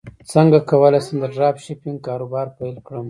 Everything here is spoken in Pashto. څنګه کولی شم د ډراپ شپینګ کاروبار پیل کړم